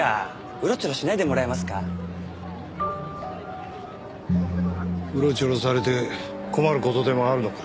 うろちょろされて困る事でもあるのか？